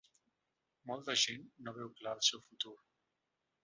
Molta gent no veu clar el seu futur.